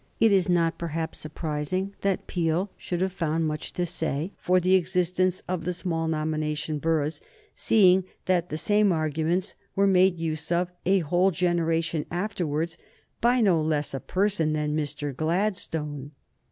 It is not, perhaps, surprising that Peel should have found much to say for the existence of the small nomination boroughs, seeing that the same arguments were made use of a whole generation afterwards by no less a person than Mr. Gladstone.